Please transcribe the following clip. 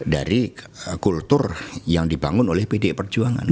dari kultur yang dibangun oleh pdi perjuangan